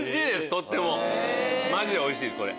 とってもマジでおいしいですこれ。